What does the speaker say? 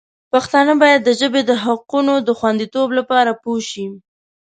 پښتانه باید د ژبې د حقونو د خوندیتوب لپاره پوه شي.